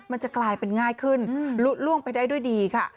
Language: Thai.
มันจะกลายเป็นง่ายขึ้นลุล่วงไปได้ด้วยดีค่ะ